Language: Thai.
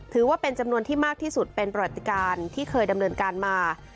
ถือว่าเป็นจำนวนที่มากที่สุดเป็นประวัติการที่เคยดำเนินการมา